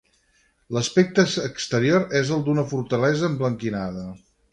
L'aspecte exterior és el d'una fortalesa emblanquinada.